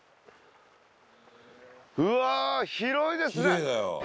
うわぁ広いですね！